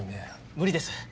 無理です。